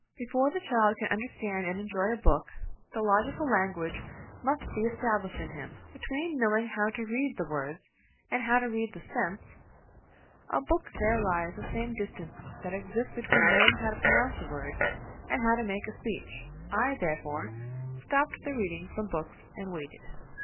Before the child can understand and enjoy a book, the logical language must be established in him. Between knowing how to read the words, and how to read the sense, of a book there lies the same distance that exists between knowing how to pronounce a word and how to make a speech. I, therefore, stopped the reading from books and waited.